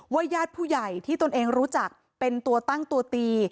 ญาติผู้ใหญ่ที่ตนเองรู้จักเป็นตัวตั้งตัวตี